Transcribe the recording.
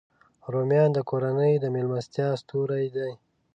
رومیان د کورنۍ د میلمستیا ستوری دی